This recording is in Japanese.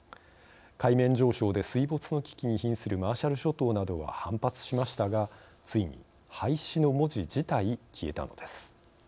海面上昇で水没の危機にひんするマーシャル諸島などは反発しましたがついに廃止の文字自体消えたのです。